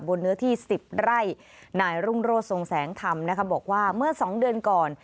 บนเนื้อที่๑๐ไร่หน่ายรุ่งโรศงแสงทำบอกว่าเมื่อ๒เดือนก่อน